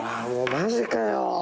マジかよ